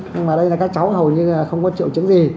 nhưng mà đây là các cháu hầu như là không có triệu chứng gì